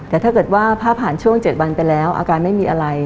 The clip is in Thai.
แต่ถ้าเกิดว่าถ้าผ่านช่วง๗วันไปแล้วอาการไม่มีอะไร